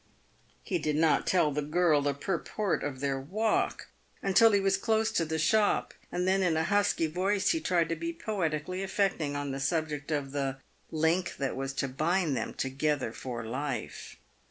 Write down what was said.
He did not tell the girl the purport of their walk until he was close to the shop. Then, in a husky voice, he tried to be poetically affecting on the subject of the " link that was to bind them together for life."